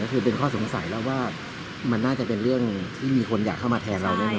ก็คือเป็นข้อสงสัยแล้วว่ามันน่าจะเป็นเรื่องที่มีคนอยากเข้ามาแทนเราแน่